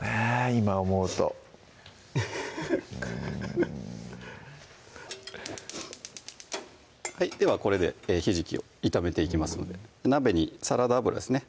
今思うとフフフフッうんではこれでひじきを炒めていきますので鍋にサラダ油ですね